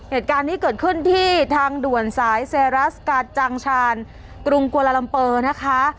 เหตุการณ์นี้เกิดขึ้นที่ทางด่วนสายเซรัสกาจังชาญกรุงกวาลาลัมเปอร์นะคะ